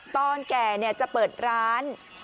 ตอนแก่จะเปิดร้าน